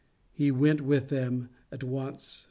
He went with them at once.